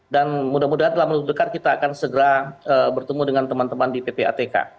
dan mudah mudahan dalam menurut dekat kita akan segera bertemu dengan teman teman di ppatk